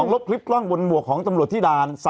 ลบคลิปกล้องบนหมวกของตำรวจที่ด่าน